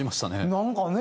なんかね。